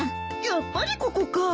やっぱりここか。